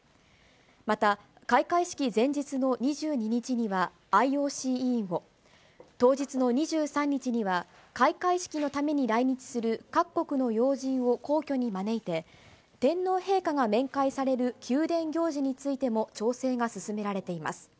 また、開会式前日の２２日には、ＩＯＣ委員を、当日の２３日には、開会式のために来日する各国の要人を皇居に招いて、天皇陛下が面会される宮殿行事についても調整が進められています。